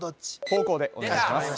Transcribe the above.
後攻でお願いします